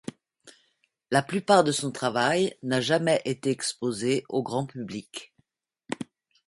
La plupart de son travail n’a jamais été exposé au grand public.